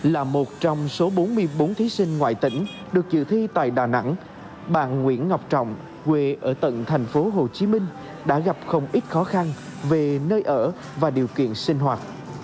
là một trong số bốn mươi bốn thí sinh ngoại tỉnh được chịu thi tại đà nẵng bạn nguyễn ngọc trọng quê ở tận thành phố hồ chí minh đã gặp không ít khó khăn về nơi ở và điều kiện sinh hoạt